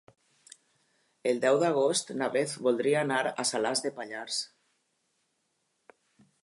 El deu d'agost na Beth voldria anar a Salàs de Pallars.